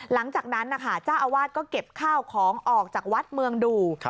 หลังจากนั้นนะคะเจ้าอาวาสก็เก็บข้าวของออกจากวัดเมืองดู